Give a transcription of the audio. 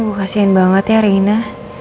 duh kasihan banget ya reina